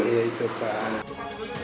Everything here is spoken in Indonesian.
ya itu pasal